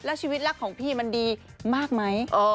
แล้วชีวิตรักของพี่มันดีมากไหม